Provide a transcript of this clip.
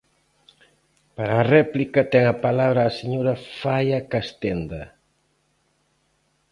Para a réplica, ten a palabra a señora Faia Castenda.